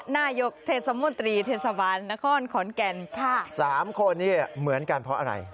นายกเทศมนตรีเทศบาลนครขอนแก่น๓คนนี้เหมือนกันเพราะอะไร